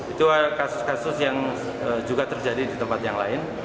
itu kasus kasus yang juga terjadi di tempat yang lain